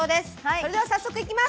それでは早速いきます。